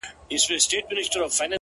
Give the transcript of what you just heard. دا ستا خبري او ښكنځاوي گراني ;